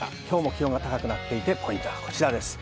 今日も気温が高くなっていて、ポイントはこちら。